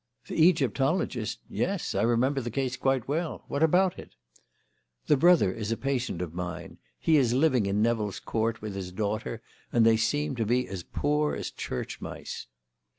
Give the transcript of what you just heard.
"The Egyptologist? Yes, I remember the case quite well. What about it?" "The brother is a patient of mine. He is living in Nevill's Court with his daughter, and they seem to be as poor as church mice."